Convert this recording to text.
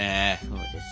そうですね。